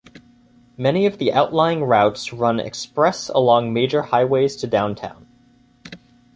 Many of the outlying routes run express along major highways to downtown.